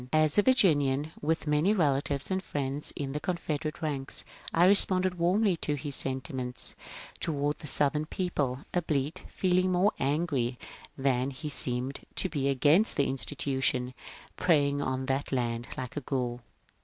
As a Virginian, with many relatives and friends in the Confeder ate ranks, I responded warmly to his sentiments toward the Southern people, albeit feeling more angry than he seemed to be against the institution preying on that land like a ghoul.